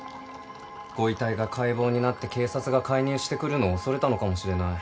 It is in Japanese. ご遺体が解剖になって警察が介入してくるのを恐れたのかもしれない。